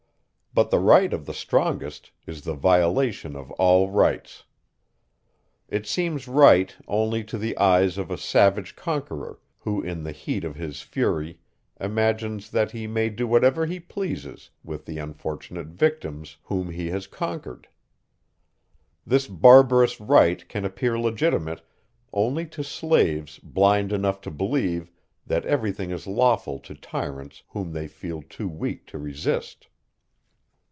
But the right of the strongest is the violation of all rights. It seems right only to the eyes of a savage conqueror, who in the heat of his fury imagines, that he may do whatever he pleases with the unfortunate victims, whom he has conquered. This barbarous right can appear legitimate only to slaves blind enough to believe that everything is lawful to tyrants whom they feel too weak to resist.